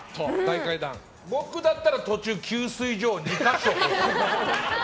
僕だったら途中、給水所を２か所。